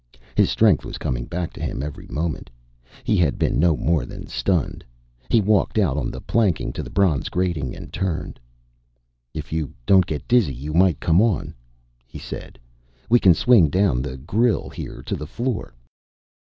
His strength was coming back to him every moment. He had been no more than stunned. He walked out on the planking to the bronze grating and turned. "If you don't get dizzy, you might come on," he said. "We can swing down the grille here to the floor."